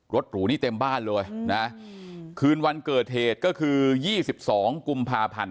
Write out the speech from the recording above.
หรูนี่เต็มบ้านเลยนะคืนวันเกิดเหตุก็คือ๒๒กุมภาพันธ์